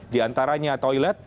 di antaranya toilet